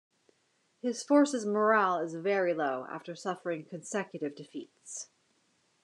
His forces' morale is very low after suffering consecutive defeats.